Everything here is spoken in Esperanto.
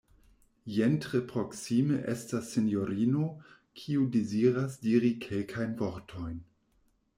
Jen tre proksime estas sinjorino, kiu deziras diri kelkajn vortojn.